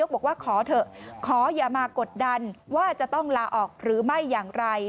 บอกว่าขอเถอะขออย่ามากดดันว่าจะต้องลาออกหรือไม่อย่างไร